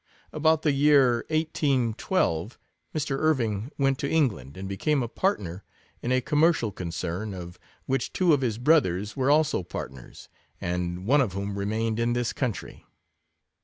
About the year J 812, Mr. Irving went to XI England, and became a partner in a commer cial concern, of which two of his brothers were also partners, and one of whom re mained in this country.